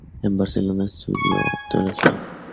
En Barcelona estudió teología.